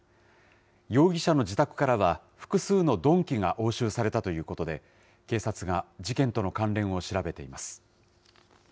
容疑者の自宅からは、複数の鈍器が押収されたということで、警察が事件との関連を調べています。